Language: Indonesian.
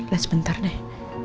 liat sebentar deh